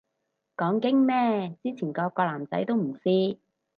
講經咩，之前個個男仔都唔試